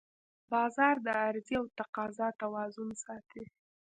بازار د عرضې او تقاضا توازن ساتي